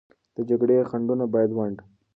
د جګړې خنډونه باید ونډ